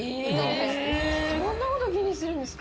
そんなこと気にするんですか。